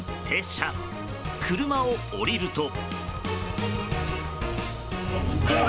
車を降りると。